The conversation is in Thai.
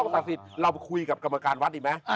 ต้องศาสิทธิ์เราคุยกับกรรมการวัดอีกไหม